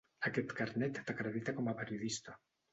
Aquest carnet t'acredita com a periodista.